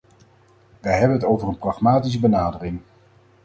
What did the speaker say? Wij hebben het over een pragmatische benadering.